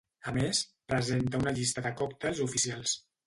A més, presenta una llista dels còctels oficials.